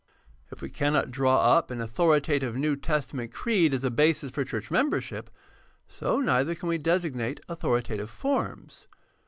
If we cannot draw up an authoritative New Testa ment creed as a basis for church membership, so neither can we designate authoritative forms.